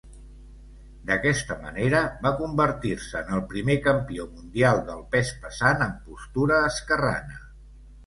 D'aquesta manera, va convertir-se en el primer campió mundial del pes pesant amb postura esquerrana.